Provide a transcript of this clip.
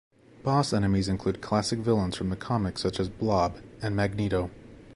Boss enemies include classic villains from the comics such as Blob and Magneto.